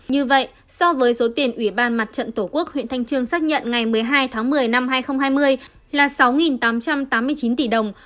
như vậy so với số tiền ủy ban mặt trận tổ quốc huyện thanh trương xác nhận ngày một mươi hai tháng một mươi năm hai nghìn hai mươi là sáu tám trăm tám mươi chín tỷ đồng